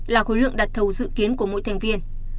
là khối lượng đặt thầu dự kiến của mỗi thành viên